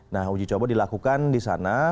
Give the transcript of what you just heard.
nah uji coba dilakukan di sana